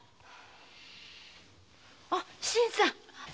あ新さん。